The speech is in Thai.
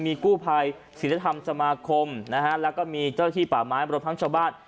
มีกู้ภัยศิลธรรมสมาคมนะฮะแล้วก็มีเจ้าที่ป่าไม้รวมทั้งชาวบ้าน